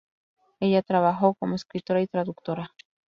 Ella trabajó como escritora y traductora.